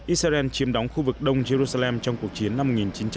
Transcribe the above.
israel chiếm đóng khu vực đông jerusalem trong cuộc chiến năm một nghìn chín trăm sáu mươi bảy